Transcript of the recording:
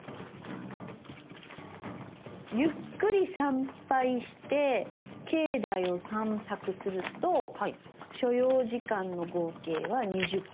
ゆっくり参拝して境内を散策すると所要時間の合計は２０分。